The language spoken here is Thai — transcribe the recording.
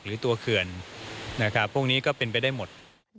หรือตัวเขื่อนนะครับพวกนี้ก็เป็นไปได้หมด